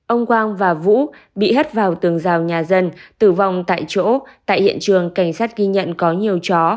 ông quang và vũ bị hất vào tường rào nhà dân tử vong tại chỗ tại hiện trường cảnh sát ghi nhận có nhiều chó